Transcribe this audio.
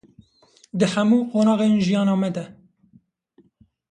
di hemû qonaxên jiyana me de.